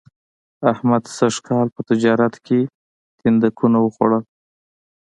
احمد سږ کال په تجارت کې تیندکونه و خوړل